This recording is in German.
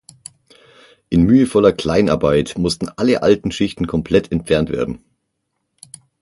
In mühevoller Kleinarbeit mussten alle alten Schichten komplett entfernt werden.